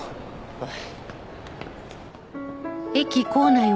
はい。